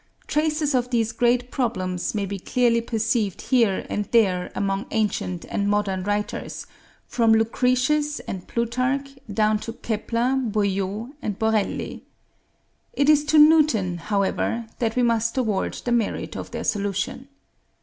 Traces of these great problems may be clearly perceived here and there among ancient and modern writers, from Lucretius and Plutarch down to Kepler, Bouillaud, and Borelli. It is to Newton, however, that we must award the merit of their solution.